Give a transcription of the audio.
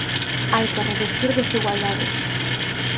Hai que reducir desigualdades.